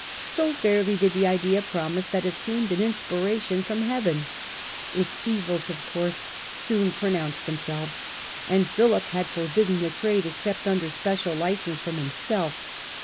So fairly did the idea promise, that it seemed an inspiration from Heaven. Its evils, of course, soon pronounced them selves, and Philip had forbidden the trade except under special license from himself.